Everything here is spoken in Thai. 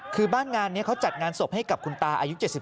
คือบ้านงานนี้เขาจัดงานศพให้กับคุณตาอายุ๗๒